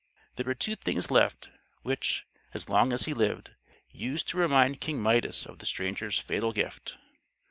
There were two things left, which, as long as he lived, used to remind King Midas of the stranger's fatal gift.